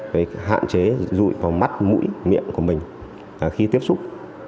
để hạn chế rụi vào mắt mũi miệng của mình khi tiếp xúc